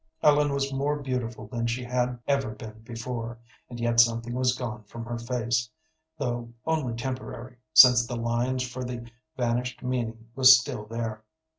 Ellen was more beautiful than she had ever been before, and yet something was gone from her face, though only temporarily, since the lines for the vanished meaning was still there.